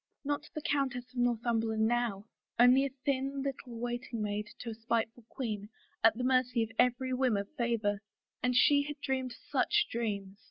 Not the Countess of Northumberland now — only a thin lit tle waiting maid to a spiteful queen, at the mercy of every whim of favor. And she had dreamed such dreams